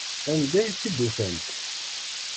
Anda ay tt-id-ufant?